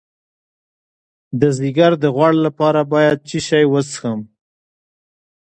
د ځیګر د غوړ لپاره باید څه شی وڅښم؟